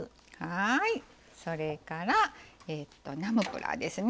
それからナムプラーですね。